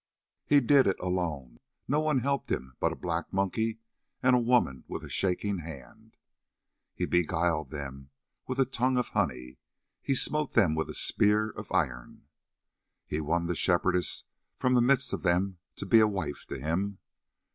"He did it alone: no one helped him but a black monkey and a woman with a shaking hand. "He beguiled them with a tongue of honey, he smote them with a spear of iron. "He won the Shepherdess from the midst of them to be a wife to him.